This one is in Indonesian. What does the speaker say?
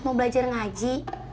mau belajar ngaji